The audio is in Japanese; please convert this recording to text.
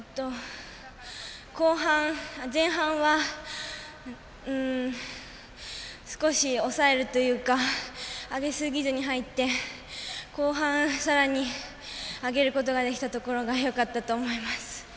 前半は少し抑えるというか上げすぎずに入って後半、さらに上げることができたところがよかったと思います。